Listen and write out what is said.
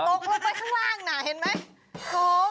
ตกลงไปข้างล่างน่ะเห็นไหม